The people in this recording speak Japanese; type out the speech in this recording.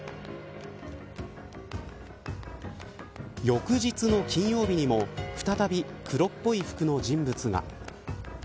翌日の金曜日にも再び黒っぽい服の人物が。